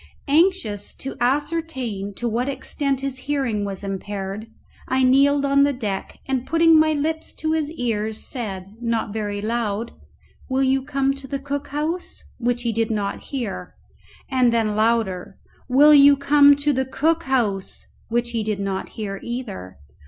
Anxious to ascertain to what extent his hearing was impaired, I kneeled on the deck, and putting my lips to his ear said, not very loud, "Will you come to the cook house?" which he did not hear; and then louder, "Will you come to the cook house?" which he did not hear either.